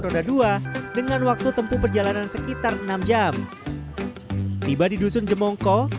roda dua dengan waktu tempuh perjalanan sekitar enam jam tiba di dusun jemongko